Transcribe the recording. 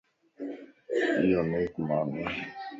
ايو نيڪ ماڻھو ائي.